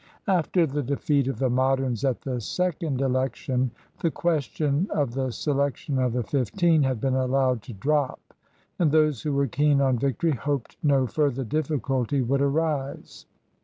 After the defeat of the Moderns at the second election, the question of the selection of the fifteen had been allowed to drop; and those who were keen on victory hoped no further difficulty would arise.